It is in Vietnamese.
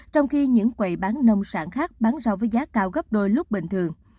trong khi những quầy bán nông sản khác bán rau với giá cao gấp đôi lúc bình thường